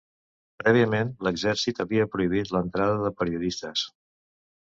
Prèviament l'exèrcit havia prohibit l'entrada de periodistes.